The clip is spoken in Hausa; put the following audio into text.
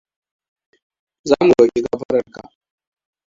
Zamu roki gafararka.